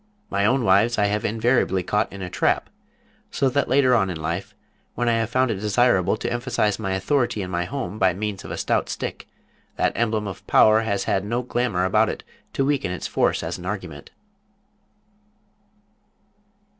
My own wives I have invariably caught in a trap, so that later on in life, when I have found it desirable to emphasize my authority in my home by means of a stout stick, that emblem of power has had no glamor about it to weaken its force as an argument....